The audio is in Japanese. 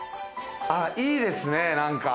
あっいいですね何か。